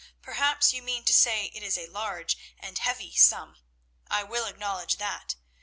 Perhaps you mean to say it is a large and heavy sum. I will acknowledge that.